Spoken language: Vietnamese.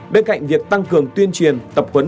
bên cạnh việc tăng cường tuyên truyền tập huấn